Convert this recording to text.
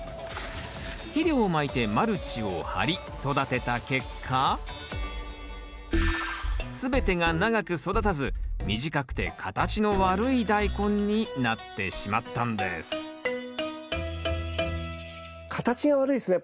肥料をまいてマルチを張り育てた結果すべてが長く育たず短くて形の悪いダイコンになってしまったんです形が悪いですね。